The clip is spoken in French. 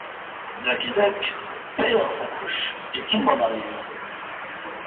Blackie Duck perd sa couche et tombe en arrière.